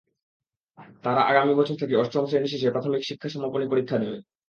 তারা আগামী বছর থেকে অষ্টম শ্রেণি শেষে প্রাথমিক শিক্ষা সমাপনী পরীক্ষা নেবে।